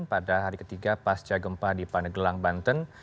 pada hari ketiga pasca gempa di pandeglang banten